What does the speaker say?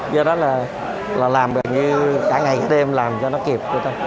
do đó là làm gần như cả ngày cả đêm làm cho nó kịp